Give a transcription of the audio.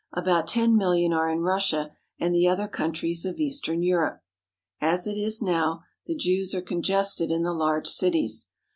About ten million are in Russia and the other countries of eastern Europe. As it is now, the Jews are congested in the large cities.